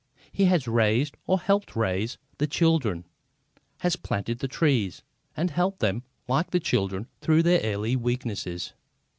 He has raised, or helped to raise, the children, has planted the trees, and helped them, like the children, through their early weakness.